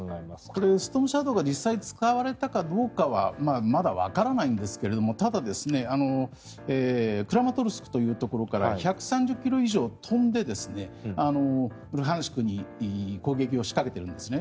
これ、ストームシャドーが実際に使われたかどうかはまだわからないんですがただクラマトルスクというところから１３０ｋｍ以上飛んでルハンシクに攻撃を仕掛けているんですね。